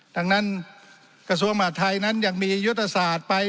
ดังนั้นกระทรวงมหาธัยนั้นยังมียุทธศาสตร์ไป